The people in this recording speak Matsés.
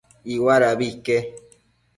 Iuadabi ique